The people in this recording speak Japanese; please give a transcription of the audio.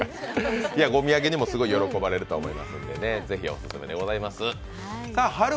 お土産にもすごい喜ばれると思いますのでぜひ、オススメでございます。